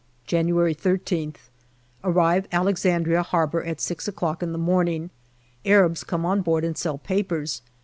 January 1.3th. Arrive Alexandria Harbour at six o'clock in the morning. Arabs come on board and sell papers.